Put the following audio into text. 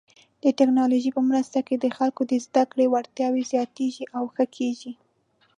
د ټکنالوژۍ په مرسته د خلکو د زده کړې وړتیاوې زیاتېږي او ښه کیږي.